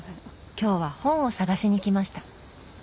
今日は本を探しに来ました